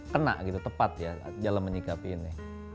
kena gitu tepat ya dalam menyikapi ini